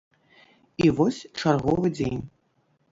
І вось чарговы дзень.